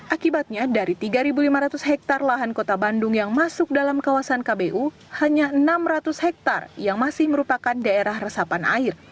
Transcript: akibatnya dari tiga lima ratus hektare lahan kota bandung yang masuk dalam kawasan kbu hanya enam ratus hektare yang masih merupakan daerah resapan air